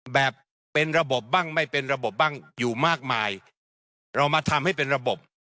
แบบเป็นระบบบ้างไม่เป็นระบบบ้างอยู่มากมายเรามาทำให้เป็นระบบ